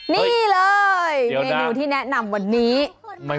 นี่เลยเมนูที่แนะนำวันนี้